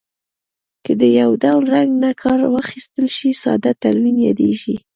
که د یو ډول رنګ نه کار واخیستل شي ساده تلوین یادیږي.